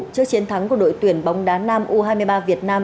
trước chiến thắng của đội tuyển bóng đá nam u hai mươi ba việt nam